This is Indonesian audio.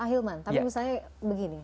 ahilman tapi misalnya begini